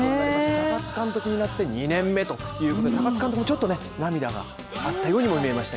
高津監督になって２年目ということで高津監督もちょっと涙があったようにも見えました。